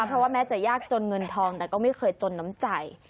เพราะว่าแม้จะยากจนเงินทองแต่ก็ไม่เคยจนน้ำใจ